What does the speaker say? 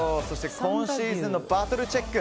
今シーズンのバトルチェック。